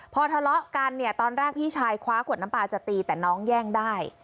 พอทะเลาะกันเนี่ยตอนแรกพี่ชายคว้าขวดน้ำปลาจะตีแต่น้องแย่งได้